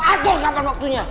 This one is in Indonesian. lo atur kapan waktunya